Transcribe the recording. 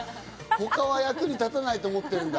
他は役に立たないと思ってるんだ。